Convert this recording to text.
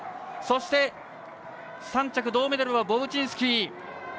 そして３着、銅メダルはボブチンスキー。